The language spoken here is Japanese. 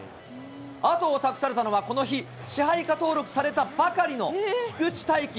後を託されたのは、この日、支配下登録されたばかりの菊地たいき。